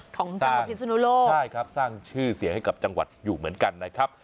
ของจังหวัดพิศนุโลกใช่ครับสร้างชื่อเสียงให้กับจังหวัดอยู่เหมือนกันนะครับ